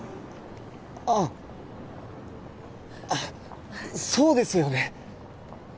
あああそうですよね